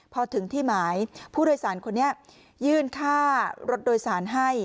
พอถึงที่หมายผู้โดยสารคนนี้ยื่นค่ารถโดยสารให้